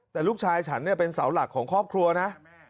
แต่ลูกชายฉันเป็นเสาหลักของครอบครัวนะ